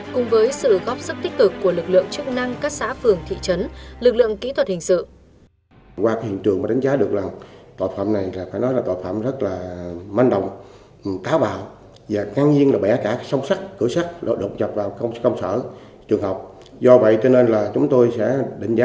cùng với sự góp sức tích cực của lực lượng chức năng các xã phường thị trấn lực lượng kỹ thuật hình sự